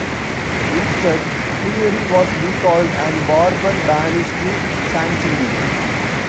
Instead, Fleury was recalled and Bourbon banished to Chantilly.